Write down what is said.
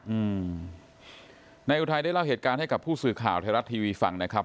อืมนายอุทัยได้เล่าเหตุการณ์ให้กับผู้สื่อข่าวไทยรัฐทีวีฟังนะครับ